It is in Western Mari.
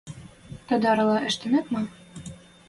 Тадарла ӹштӹнет ма?